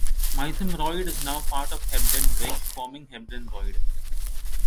Mytholmroyd is now part of Hebden Bridge, forming Hebden Royd.